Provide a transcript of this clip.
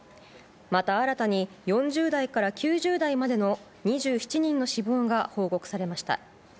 また新たに、４０代から９０代までの２７人の死亡が報告されました。